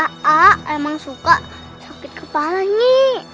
aa emang suka sakit kepalanya